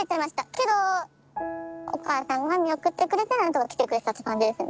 けどお母さんが見送ってくれ何とか来てくれたって感じですね。